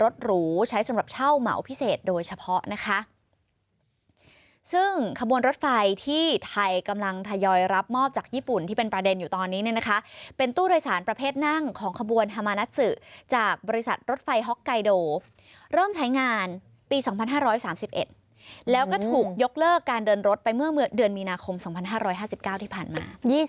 หรูใช้สำหรับเช่าเหมาพิเศษโดยเฉพาะนะคะซึ่งขบวนรถไฟที่ไทยกำลังทยอยรับมอบจากญี่ปุ่นที่เป็นประเด็นอยู่ตอนนี้เนี่ยนะคะเป็นตู้โดยสารประเภทนั่งของขบวนฮามานัสซึจากบริษัทรถไฟฮ็อกไกโดเริ่มใช้งานปี๒๕๓๑แล้วก็ถูกยกเลิกการเดินรถไปเมื่อเดือนมีนาคม๒๕๕๙ที่ผ่านมา